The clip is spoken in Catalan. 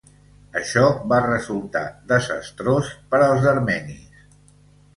Això va resultar desastrós per als armenis.